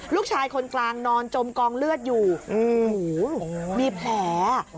ลูกชายคนกลางนอนจมกองเลือดอยู่มีแผล